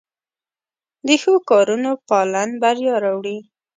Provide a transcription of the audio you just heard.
د ښو کارونو پالن بریا راوړي.